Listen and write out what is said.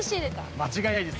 間違いないです。